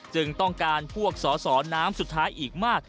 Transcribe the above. ต้องการพวกสอสอน้ำสุดท้ายอีกมาก